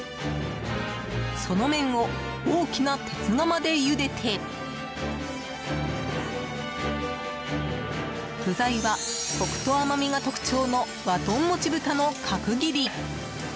その麺を大きな鉄釜でゆでて具材は、コクと甘みが特徴の和豚もち豚の角切り。